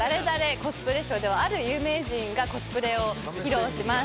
コスプレショーではある有名人がコスプレを披露します。